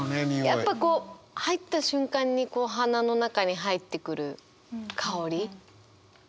やっぱこう入った瞬間に鼻の中に入ってくる香り。